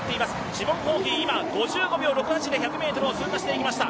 シボン・ホーヒー、今、５５秒６８で１００ｍを通過していきました。